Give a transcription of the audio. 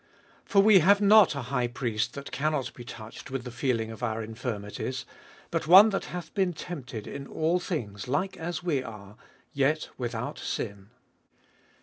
For we have not a high priest that cannot be touched with the feeling1 of our infirmities;2 but one that hath been tempted in all things like as we are, yet without sin.